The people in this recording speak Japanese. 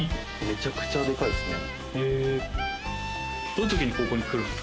めちゃくちゃデカいっすね。